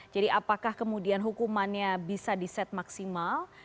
jadi apakah kemudian hukumannya bisa di set maksimal